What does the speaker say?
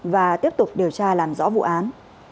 và tiếp tục điều tra làm rõ vụ án